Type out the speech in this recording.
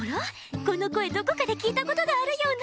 この声どこかで聞いたことがあるような。